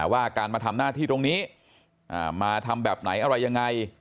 ว่าการมาทำหน้าที่ตรงนี้มาทำแบบไหนอะไรยังไง